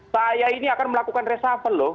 saya ini akan melakukan resafel loh